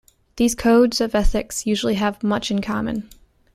These codes of ethics usually have much in common.